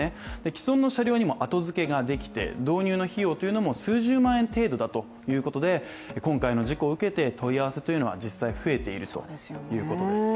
既存の車両にも後付けができて導入の費用も数十万円程度ということで、今回の事故を受けて問い合わせが実際に増えているということです